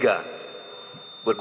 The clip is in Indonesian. karena sudah jadi tersangka